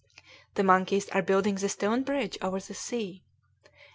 The monkeys are building the stone bridge over the sea.